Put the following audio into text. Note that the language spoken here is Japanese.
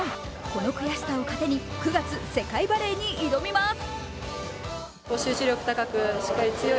この悔しさを糧に９月、世界バレーに挑みます。